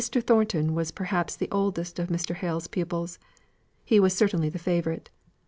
Thornton was perhaps the oldest of Mr. Hale's pupils. He was certainly the favourite.